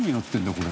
これ。